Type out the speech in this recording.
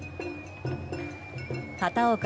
片岡